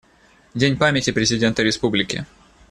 Дань памяти президента Республики.